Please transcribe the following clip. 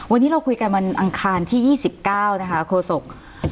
วันนี้เราคุยกันวันอังคารที่๒๙นะคะโฆษก